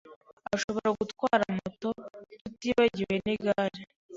Ashobora gutwara moto, tutibagiwe nigare.